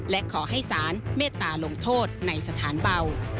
และขอให้สารเมตตาลงโทษในสถานเบา